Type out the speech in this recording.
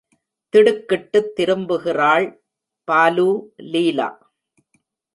திடுக்கிட்டுத் திரும்புகிறாள் பாலு லீலா!